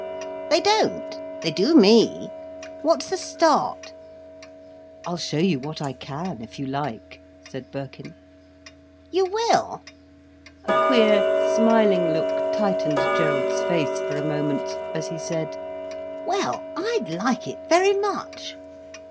"They don't? They do me. What's the start?" "I'll show you what I can, if you like," said Birkin. "You will?" A queer, smiling look tightened Gerald's face for a moment, as he said, "Well, I'd like it very much."